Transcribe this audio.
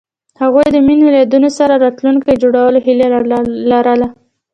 هغوی د مینه له یادونو سره راتلونکی جوړولو هیله لرله.